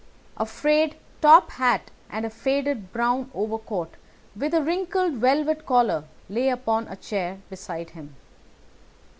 A frayed top hat and a faded brown overcoat with a wrinkled velvet collar lay upon a chair beside him.